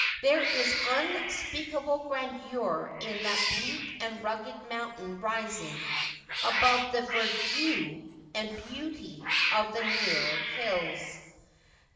There is unspeakable grandeur in that bleak and rugged mountain rising above the verdure and beauty of the nearer hills.